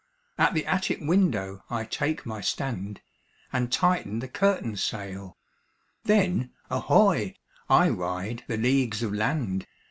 At the attic window I take my stand. And tighten the curtain sail, Then, ahoy! I ride the leagues of land.